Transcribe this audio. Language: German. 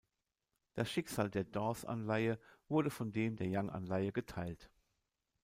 Das Schicksal der Dawes-Anleihe wird von dem der Young-Anleihe geteilt.